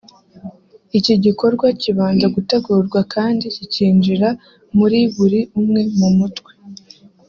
iki gikorwa kibanza gutegurwa kandi kikinjira muri buri umwe mu mutwe